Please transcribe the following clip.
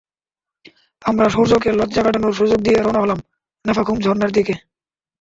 আমরা সূর্যকে লজ্জা কাটানোর সুযোগ দিয়ে রওনা হলাম নাফাখুম ঝরনার দিকে।